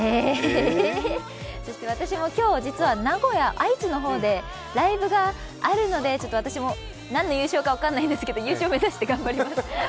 そして私も今日、実は名古屋愛知の方でライブがあるので私も何の優勝か分からないですけど、優勝目指して頑張ります。